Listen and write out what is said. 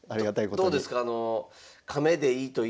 どうですか？